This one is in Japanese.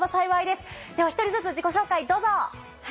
では１人ずつ自己紹介どうぞ！